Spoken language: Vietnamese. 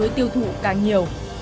tiêu thụ càng nhiều